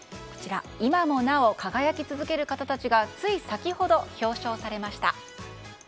今もなお輝き続ける方たちがつい先ほど表彰されました。